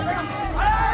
malah malah malah